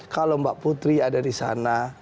kalau mbak putri ada di sana